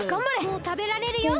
もうたべられるよ！